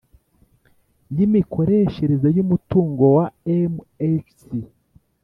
Y imikoreshereze y umutungo wa mhc